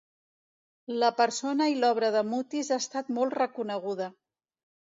La persona i l'obra de Mutis ha estat molt reconeguda.